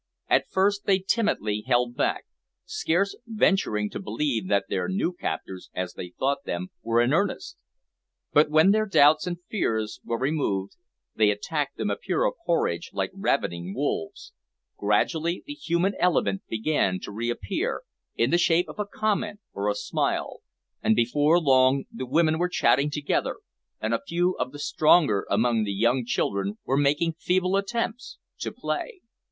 At first they timidly held back, scarce venturing to believe that their new captors, as they thought them, were in earnest. But when their doubts and fears were removed, they attacked the mapira porridge like ravening wolves. Gradually the human element began to reappear, in the shape of a comment or a smile, and before long the women were chatting together, and a few of the stronger among the young children were making feeble attempts to play.